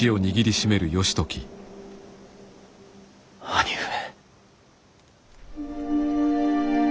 兄上。